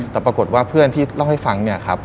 แต่ปรากฏว่าเพื่อนที่เล่าให้ฟังเนี่ยครับ